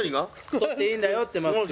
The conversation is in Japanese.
取っていいんだよってマスク。